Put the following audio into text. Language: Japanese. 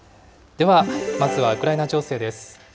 では、まずはウクライナ情勢です。